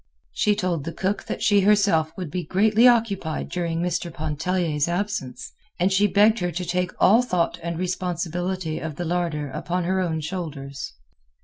She told the cook that she herself would be greatly occupied during Mr. Pontellier's absence, and she begged her to take all thought and responsibility of the larder upon her own shoulders.